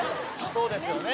そうですよね